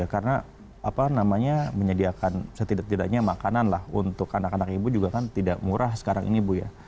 karena apa namanya menyediakan setidak tidaknya makanan lah untuk anak anak ibu juga kan tidak murah sekarang ini bu